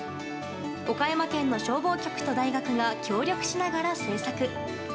岡山県の消防局と大学が協力しながら制作。